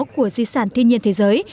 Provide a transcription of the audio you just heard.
của di sản thiên nhiên thế giới